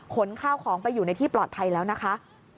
ขนข้าวของไปอยู่ในที่ปลอดภัยแล้วนะคะ